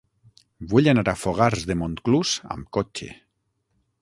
Vull anar a Fogars de Montclús amb cotxe.